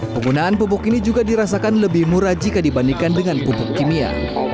penggunaan pupuk ini juga dirasakan lebih murah jika dibandingkan dengan pupuk kimia